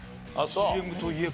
ＣＭといえば。